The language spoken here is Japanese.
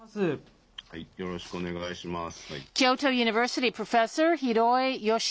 よろしくお願いします。